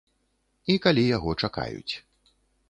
І калі яго чакаюць.